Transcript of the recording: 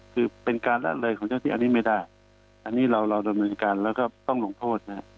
คือเป็นการละเลยของเจ้าที่อันนี้ไม่ได้อันนี้เราเราดำเนินการแล้วก็ต้องลงโทษนะ